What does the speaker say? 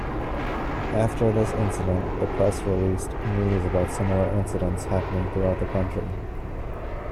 After this incident the press released news about similar incidents happening throughout the country.